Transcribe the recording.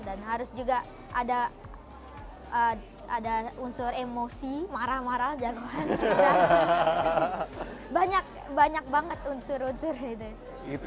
dan harus juga ada unsur emosi marah marah jagoan banyak banget unsur unsur gitu